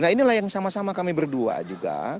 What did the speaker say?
nah inilah yang sama sama kami berdua juga